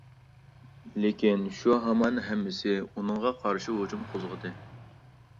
لېكىن، شۇ ھامان ھەممىسى ئۇنىڭغا قارشى ھۇجۇم قوزغىدى.